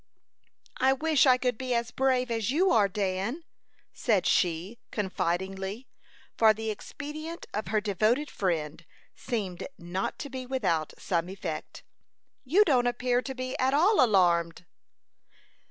"I wish I could be brave as you are, Dan," said she, confidingly; for the expedient of her devoted friend seemed not to be without some effect. "You don't appear to be at all alarmed."